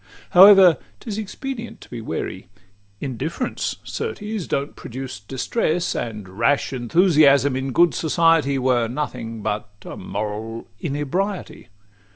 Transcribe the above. However, 't is expedient to be wary: Indifference certes don't produce distress; And rash enthusiasm in good society Were nothing but a moral inebriety.